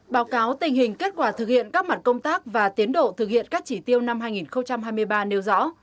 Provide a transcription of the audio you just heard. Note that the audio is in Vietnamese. báo cáo tình hình kết quả thực hiện các mặt công tác và tiến độ thực hiện các chỉ tiêu năm hai nghìn hai mươi ba nêu rõ